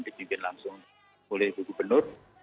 dipimpin langsung oleh ibu gubernur